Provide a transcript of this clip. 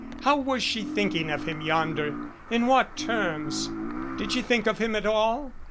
How was she thinking of him yonder? In what terms? Did she think of him at all?